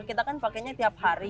kita kan pakainya tiap hari